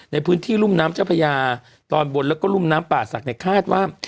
ในพื้นที่รุ่มน้ำเจ้าพญาตอนบนแล้วก็รุ่มน้ำป่าศักดิ์คาดว่า